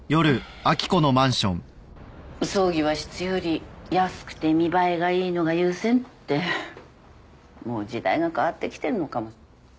葬儀は質より安くて見栄えがいいのが優先ってもう時代が変わってきてるのかも。